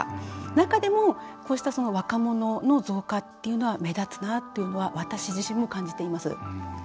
中でも、こうした若者の増加っていうのは目立つなっていうのは私自身も感じています。